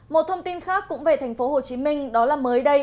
một thông tin khác cũng về thành phố hồ chí minh đó là mới đây